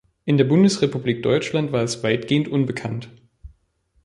In der Bundesrepublik Deutschland war es weitgehend unbekannt.